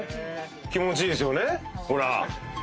気持ちいいですよね。